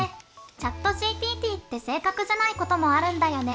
ＣｈａｔＧＰＴって正確じゃないこともあるんだよね。